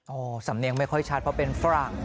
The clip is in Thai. โอ้โหสำเนียงไม่ค่อยชัดเพราะเป็นฝรั่ง